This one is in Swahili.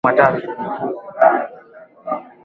alifunga mabao manne na kutengeneza matatu